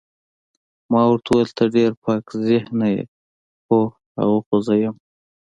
ما ورته وویل ته ډېر پاک ذهنه یې، هو، هغه خو زه یم.